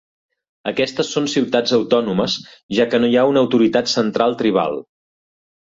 Aquestes són ciutats autònomes, ja que no hi ha una autoritat central tribal.